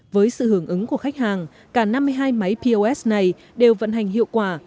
với sự hưởng ứng của khách hàng cả năm mươi hai máy pos này đều vận hành hiệu quả